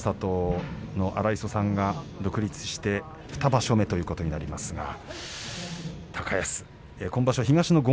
稀勢の里の荒磯さんが独立して２場所目ということになりますが高安、今場所